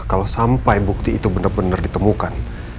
kalau sampai bukti itu benar benar ditemukan